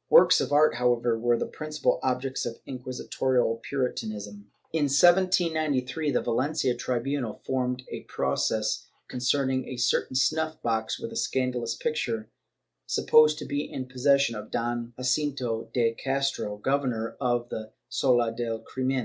^ Works of art, however, were the principal objects of inquisi torial Puritanism. In 1793, the Valencia tribunal formed a pro cess concerning a certain snuff box with a scandalous picture, supposed to be in possession of Don Jacinto de Castro, governor of the sala del crimen.